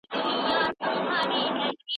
د ګټورو کتابونو او مآخذونو ښودل د استاد دنده ده.